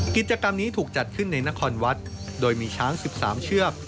กิจกรรมนี้ถูกจัดขึ้นในนครวัดโดยมีช้าง๑๓เชือก